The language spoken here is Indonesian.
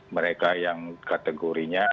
mereka yang kategorinya